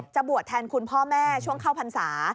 บวชแทนคุณพ่อแม่ช่วงเข้าพรรษา